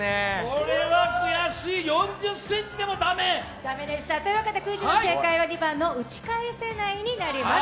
これは悔しい、４０ｃｍでも駄目？というわけでクイズの正解は２番の打ち返せないになります。